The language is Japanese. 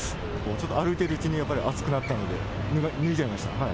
ちょっと歩いてるうちに暑くなったので、脱いじゃいました。